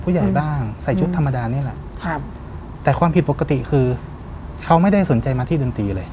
ผู้ใหญ่บ้างใส่ชุดธรรมดานี่แหละครับแต่ความผิดปกติคือเขาไม่ได้สนใจมาที่ดนตรีเลย